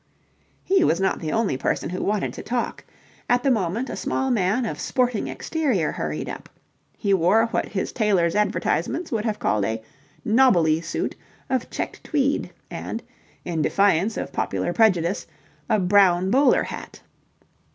He was not the only person who wanted to talk. At the moment a small man of sporting exterior hurried up. He wore what his tailor's advertisements would have called a "nobbly" suit of checked tweed and in defiance of popular prejudice a brown bowler hat.